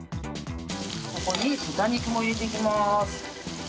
ここに豚肉も入れていきます。